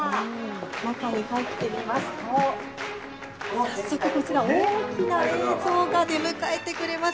中に入ってみますと、早速こちら大きな映像が出迎えてくれます。